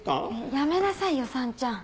やめなさいよさんちゃん。